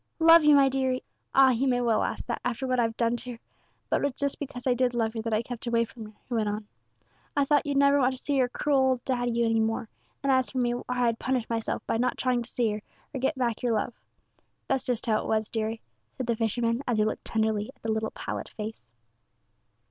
"Love you, my deary? Ah, you may well ask that, after what I've done to yer; but it was just because I did love yer that I kept away from yer," he went on; "I thought you'd never want to see yer cruel old daddy any more; and as for me, why I'd punish myself by not trying to see yer, or get back your love. That's just how it was, deary," said the fisherman, as he looked tenderly at the little pallid face.